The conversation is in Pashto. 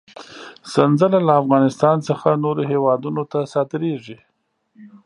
سنځله له افغانستان څخه نورو هېوادونو ته صادرېږي.